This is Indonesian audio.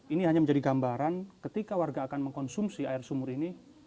ini hanya menjadi gambaran ketika warga akan mengkonsumsi air sumur ini